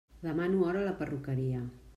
Demano hora a la perruqueria.